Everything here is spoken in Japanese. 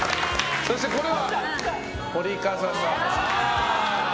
そして２番は折笠さん。